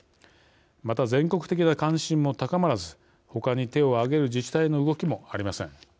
また、全国的な関心も高まらず他に手をあげる自治体の動きもありません。